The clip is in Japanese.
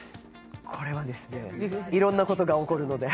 これはいろいろなことが起こるので。